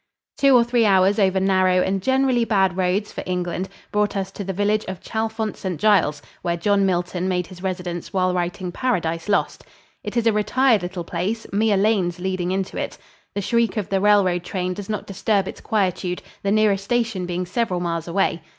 Two or three hours over narrow and generally bad roads for England brought us to the village of Chalfont St. Giles, where John Milton made his residence while writing "Paradise Lost." It is a retired little place, mere lanes leading into it. The shriek of the railroad train does not disturb its quietude, the nearest station being several miles away.